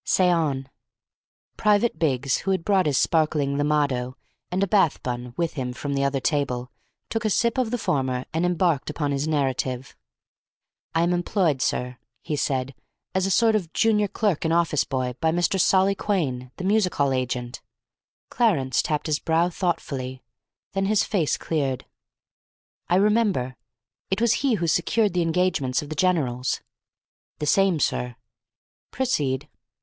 "Say on." Private Biggs, who had brought his sparkling limado and a bath bun with him from the other table, took a sip of the former, and embarked upon his narrative. "I am employed, sir," he said, "as a sort of junior clerk and office boy by Mr. Solly Quhayne, the music hall agent." Clarence tapped his brow thoughtfully; then his face cleared. "I remember. It was he who secured the engagements of the generals." "The same, sir." "Proceed."